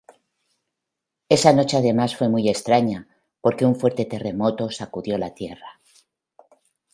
Esa noche además fue muy extraña porque un fuerte terremoto sacudió la tierra.